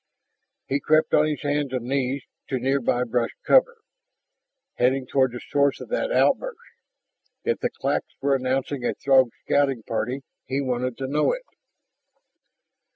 He crept on his hands and knees to near by brush cover, heading toward the source of that outburst. If the claks were announcing a Throg scouting party, he wanted to know it.